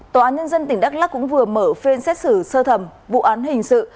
tòa án nhân dân tỉnh đắk lắc cũng vừa mở phiên xét xử sơ thẩm vụ án hình sự